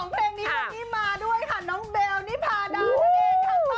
เจ้าสองเพลงนี้มาด้วยค่ะน้องเบลนิพาดาเจ้าเองค่ะ